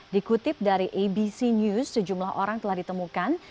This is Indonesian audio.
dikutip dari abc news sejumlah orang telah ditemukan